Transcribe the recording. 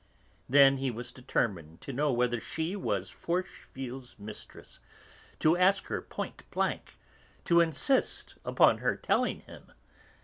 Then he was determined to know whether she was Forcheville's mistress, to ask her point blank, to insist upon her telling him.